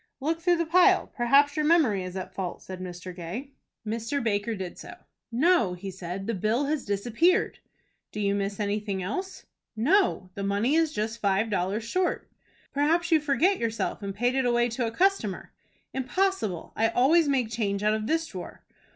"Look through the pile. Perhaps your memory is at fault," said Mr. Gay. Mr. Baker did so. "No," he said, "the bill has disappeared." "Do you miss anything else?" "No. The money is just five dollars short." "Perhaps you forget yourself, and paid it away to a customer." "Impossible; I always make change out of this drawer."